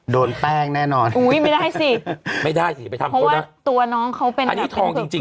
โดนแป้งแน่นอนไม่ได้สิเพราะว่าตัวน้องเขาเป็นเผือก